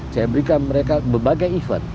saya berikan mereka berbagai event